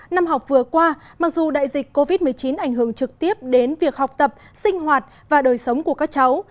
năm học vừa qua mặc dù đại dịch covid một mươi chín ảnh hưởng trực tiếp đến việc học tập sinh hoạt và đời sống của các cháu